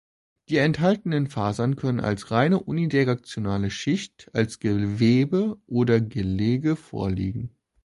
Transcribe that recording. Die enthaltenen Fasern können als reine unidirektionale Schicht, als Gewebe oder Gelege vorliegen.